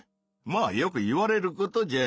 まあよく言われることじゃ。